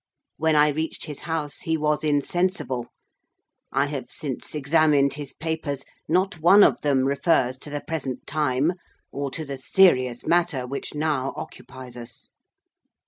When I reached his house, he was insensible. I have since examined his papers. Not one of them refers to the present time or to the serious matter which now occupies us.